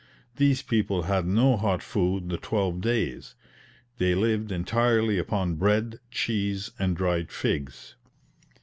These people had no hot food the twelve days; they lived entirely upon bread, cheese, and dried figs.